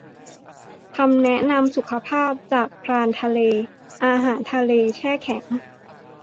คำแนะนำสุขภาพ จาก พรานทะเล อาหารทะเลแช่แข็ง